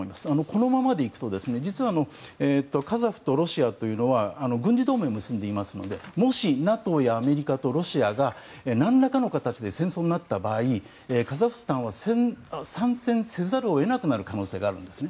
このままでいくと実は、カザフとロシアというのは軍事同盟を結んでいますのでもしＮＡＴＯやアメリカとロシアが何らかの形で戦争になった場合カザフスタンは参戦せざるを得なくなる可能性があるんです。